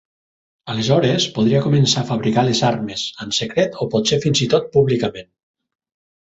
Aleshores, podria començar a fabricar les armes - en secret o potser fins i tot públicament.